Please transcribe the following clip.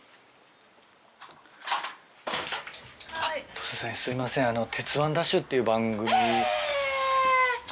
突然すいません『鉄腕！ＤＡＳＨ‼』っていう番組。